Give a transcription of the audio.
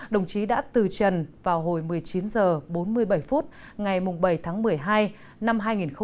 đồng chí đã từ trần vào hồi một mươi chín h bốn mươi bảy phút ngày bảy tháng một mươi hai năm hai nghìn một mươi chín